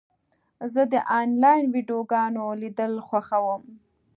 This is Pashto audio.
زه د انلاین ویډیوګانو لیدل خوښوم.